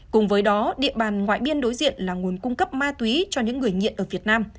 cùng với đó địa bàn ngoại biên đối diện là nguồn cung cấp ma túy cho những người nghiện ở việt nam